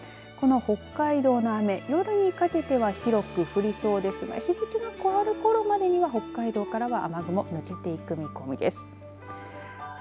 北海道の雨夜にかけては広く降りそうですが日付が変わるころまでは北海道からは雨雲抜けていく見込みです。